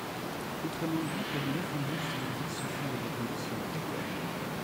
Autrement dit, près de neuf embauches sur dix se font dans des conditions précaires.